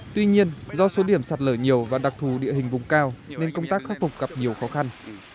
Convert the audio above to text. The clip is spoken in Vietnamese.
tuy nhiên do số điểm sạt lở nhiều và đặc thù địa hình vùng cao nên công tác khắc phục gặp nhiều khó khăn